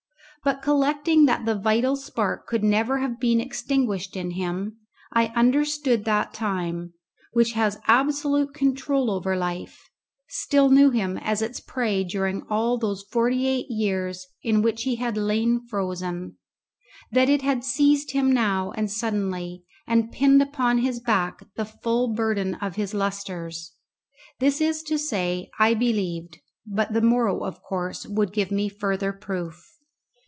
But collecting that the vital spark could never have been extinguished in him, I understood that time, which has absolute control over life, still knew him as its prey during all those forty eight years in which he had lain frozen; that it had seized him now and suddenly, and pinned upon his back the full burden of his lustres. This I say, I believed; but the morrow, of course, would give me further proof.